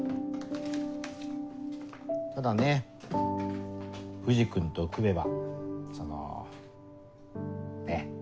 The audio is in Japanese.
ただね藤君と組めばそのねっ。